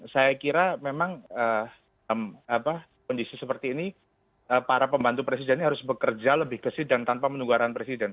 saya kira memang kondisi seperti ini para pembantu presiden ini harus bekerja lebih gesit dan tanpa menunggaran presiden